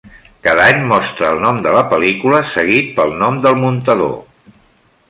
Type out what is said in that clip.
Cada any mostra el nom de la pel·lícula seguit pel nom del muntador.